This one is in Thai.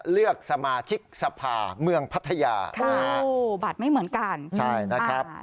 เลือกสมาชิกสภาเมืองพัทยาโอ้บัตรไม่เหมือนกันใช่นะครับ